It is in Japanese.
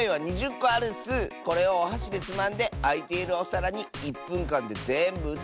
これをおはしでつまんであいているおさらに１ぷんかんでぜんぶうつせるか。